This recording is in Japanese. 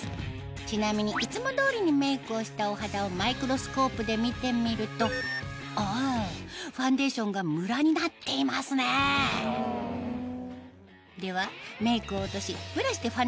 ちなみにいつも通りにメイクをしたお肌をマイクロスコープで見てみるとおファンデーションがムラになっていますねではメイクを落としブラシでファンデーションを塗ってもらいましょう